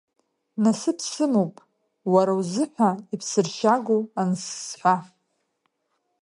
Насыԥ сымоуп, уара узыҳәа иԥсыршьагоу ансызҳәа.